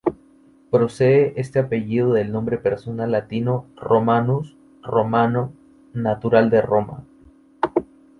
Procede este apellido del nombre personal latino Romanus, "romano", "natural de Roma".